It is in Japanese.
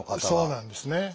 そうなんですね。